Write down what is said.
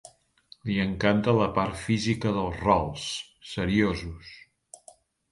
Li encanta la part física dels rols, seriosos.